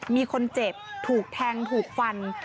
มีคนเจ็บถูกแทงถูกฟัน